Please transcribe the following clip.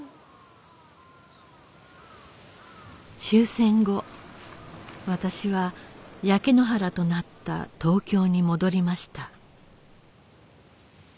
終戦後私は焼け野原となった東京に戻りました